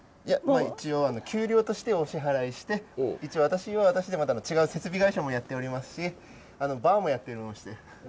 いや一応給料としてお支払いして一応私は私でまた違う設備会社もやっておりますしバーもやっておりまして。